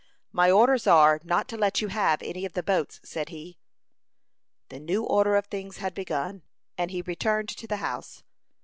"My orders are, not to let you have any of the boats," said he. The new order of things had begun, and he returned to the house.